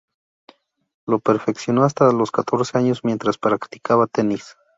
Lo perfeccionó hasta los catorce años mientras practicaba tenis.